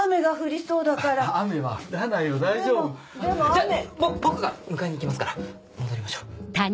じゃぼ僕が迎えにいきますから戻りましょう。